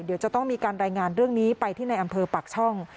เดี๋ยวจะต้องมีการรายงานเรื่องนี้ไปที่ในอำเภอปากช่อง